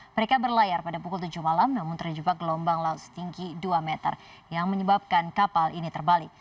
mereka berlayar pada pukul tujuh malam namun terjebak gelombang laut setinggi dua meter yang menyebabkan kapal ini terbalik